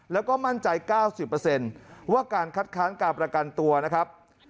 แล้วก็มั่นใจ๙๐ว่าการคัดค้านการประกันตัวนะครับ